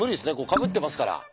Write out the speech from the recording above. かぶってますから。